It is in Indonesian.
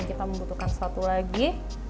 kita membutuhkan satu lagi